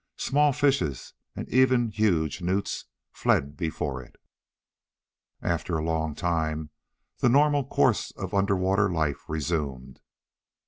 Small fishes and even huge newts fled before it. After a long time the normal course of underwater life resumed.